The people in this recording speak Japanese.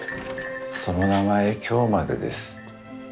その名前今日までです。